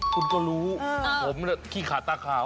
คุณก็รู้ผมขี้ขาดตาขาว